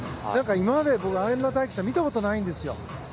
今まで、あんな大輝さん見たことないんですよ。